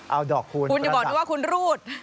เอาดอกคูณประดับคุณอย่าบอกหนูว่าคุณรูด